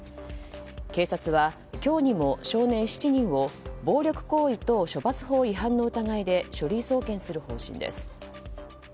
警察は今日にも少年７人を暴力行為等処罰法違反の疑いで書類送検する方針です。